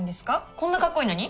こんなかっこいいのに？